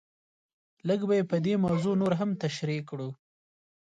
لږ به یې په دې موضوع نور هم تشریح کړو.